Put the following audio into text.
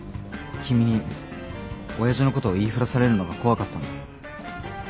君に親父のことを言いふらされるのが怖かったんだ。